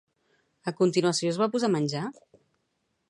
A continuació es va posar a menjar?